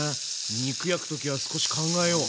肉焼く時は少し考えよう。